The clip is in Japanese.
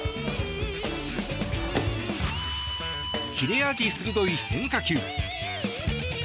切れ味鋭い変化球。